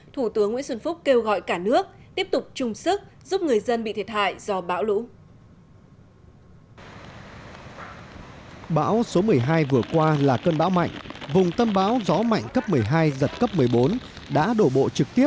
thủ tướng nguyễn xuân phúc kêu gọi cả nước tiếp tục chung sức giúp người dân bị thiệt hại do bão lũ